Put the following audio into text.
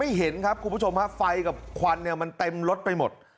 เห็นครับคุณผู้ชมฮะไฟกับควันเนี่ยมันเต็มรถไปหมด